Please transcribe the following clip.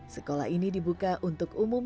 sekolah ini dibuka untuk umum